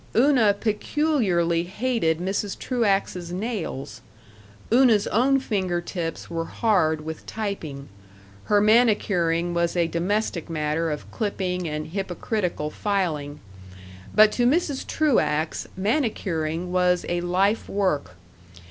Una peculiarly hated Mrs. Truax's nails. Una's own finger tips were hard with typing; her manicuring was a domestic matter of clipping and hypocritical filing. But to Mrs. Truax manicuring was a life work.